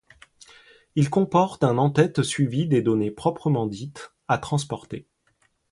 Il comporte un en-tête suivi des données proprement dites à transporter.